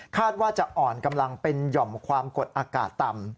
ว่าจะอ่อนกำลังเป็นหย่อมความกดอากาศต่ำ